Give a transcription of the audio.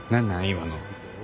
今の。